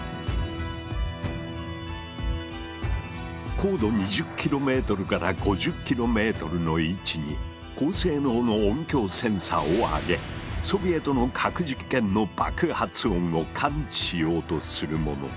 高度２０ｋｍから５０ｋｍの位置に高性能の音響センサーを揚げソビエトの核実験の爆発音を感知しようとするもの。